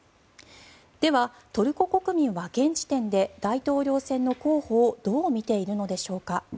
では、トルコ国民は現時点で大統領選の候補をどう見ているのでしょうか。